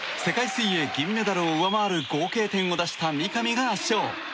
水泳、銀メダルを上回る合計点を出した三上が圧勝。